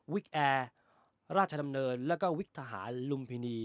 แอร์ราชดำเนินแล้วก็วิกทหารลุมพินี